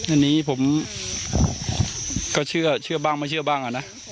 อันนี้ผมก็เชื่อบ้างไม่เชื่อบ้างอ่ะนะ